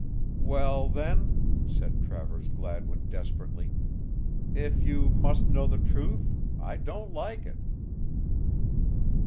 "Well, then," said Travers Gladwin desperately, "if you must know the truth, I don't like it."